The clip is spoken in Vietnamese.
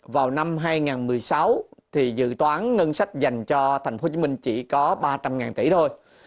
vào năm hai nghìn một mươi sáu dự toán ngân sách dành cho thành phố hồ chí minh chỉ có ba trăm linh tỷ thôi